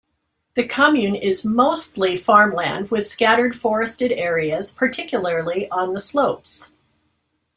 The commune is mostly farmland with scattered forested areas particularly on the slopes.